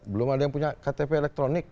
belum ada yang punya ktp elektronik